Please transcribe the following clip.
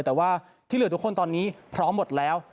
แต่ว่าที่เหลือทุกคนตอนนี้พร้อมหมดแล้ว